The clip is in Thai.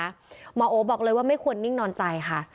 หมอโอบอกเลยว่าไม่ควรนิ่งนอนใจค่ะ